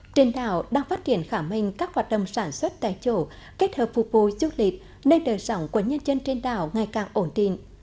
trên đảo đang phát triển khả minh các hoạt động sản xuất tại chỗ kết hợp phục hồi trước lịch nên đời sống của nhân dân trên đảo ngày càng ổn định